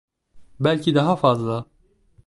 Belki daha fazla.